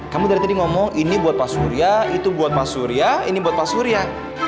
kamu dari tadi ngomong ini buat pak surya itu buat mas surya ini buat pak surya